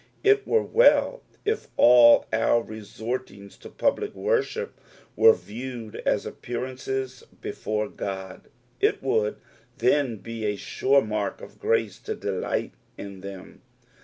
It were well if all our resortings to public worship were viewed as appearances before God, it would then be a sure mark of grace to delight in them.